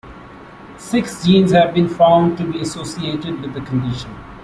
Six genes have been found to be associated with the condition.